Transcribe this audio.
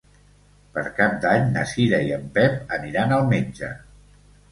Per Cap d'Any na Cira i en Pep aniran al metge.